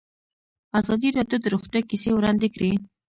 ازادي راډیو د روغتیا کیسې وړاندې کړي.